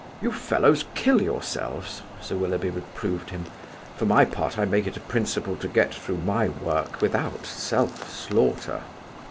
"You fellows kill yourselves," Sir Willoughby reproved him. "For my part, I make it a principle to get through my work without self slaughter."